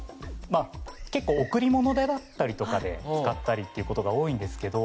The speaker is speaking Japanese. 贈り物だったりとかで使ったりすることが多いんですけど。